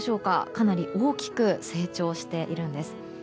かなり大きく成長しているんです。